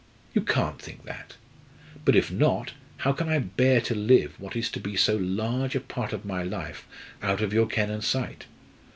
You can't think that! But if not, how can I bear to live what is to be so large a part of my life out of your ken and sight?